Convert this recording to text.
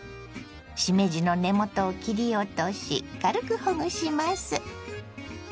しめじの根元を切り落とし軽くほぐします。